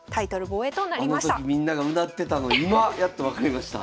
あの時みんながうなってたの今やっと分かりました。